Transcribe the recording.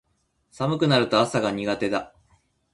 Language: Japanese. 寒くなると朝が苦手だ